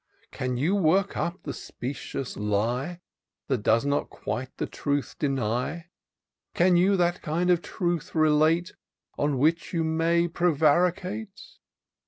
Can you work up the specious lie, That does not quite the truth deny ? Can you that kind of truth telate, On which you may prevaricate?